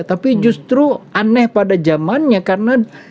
tapi justru aneh pada zamannya karena